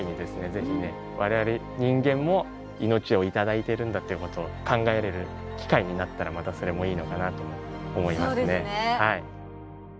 ぜひね我々人間も命を頂いてるんだっていうことを考えれる機会になったらまたそれもいいのかなと思いますね。